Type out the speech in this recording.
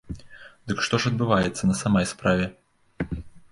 Дык што ж адбываецца на самай справе?